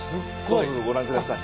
どうぞご覧ください。